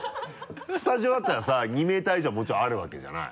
スタジオだったらさ２ｍ以上もちろんあるわけじゃない？